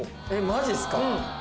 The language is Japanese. マジっすか？